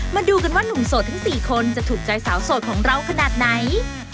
มาดูกันว่านุ่มโสดทั้ง๔คนจะถูกใจสาวโสดของเราขนาดไหน